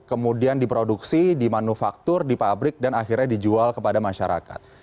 kemudian diproduksi dimanufaktur dipabrik dan akhirnya dijual kepada masyarakat